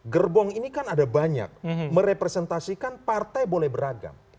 gerbong ini kan ada banyak merepresentasikan partai boleh beragam